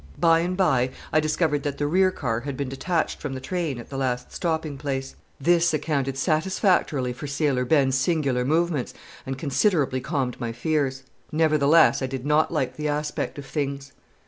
By and by I discovered that the rear car had been detached from the train at the last stopping place. This accounted satisfactorily for Sailor Ben's singular movements, and considerably calmed my fears. Nevertheless, I did not like the aspect of things.